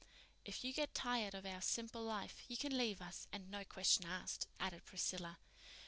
"If you get tired of our simple life you can leave us, and no questions asked," added Priscilla.